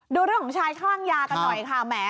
ดูเรื่องของชายคลั่งยากันหน่อยค่ะแหม